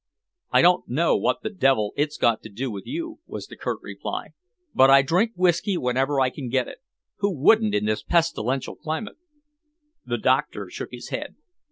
"I don't know what the devil it's got to do with you," was the curt reply, "but I drink whisky whenever I can get it. Who wouldn't in this pestilential climate!" The doctor shook his head.